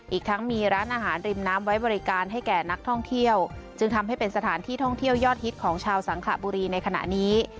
อีกทั้งมีร้านอาหารริมน้ำไว้บริการให้แก่นักท่องเที่ยวจึงทำให้เป็นสถานที่ท่องเที่ยวยอดฮิตของชาวสังขบุรีในขณะนี้